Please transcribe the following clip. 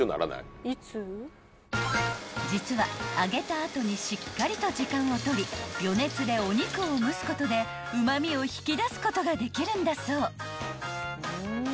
［実は揚げた後にしっかりと時間を取り余熱でお肉を蒸すことでうま味を引き出すことができるんだそう］